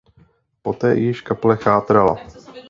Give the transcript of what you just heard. Poté již kaple chátrala.